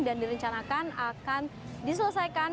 dan direncanakan akan diselesaikan